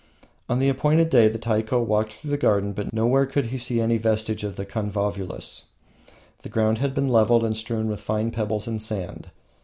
On the appointed day Taiko walked through the garden, but nowhere could he see any vestige of the convulvulus. The ground had been leveled and strewn with fine pebbles and sand.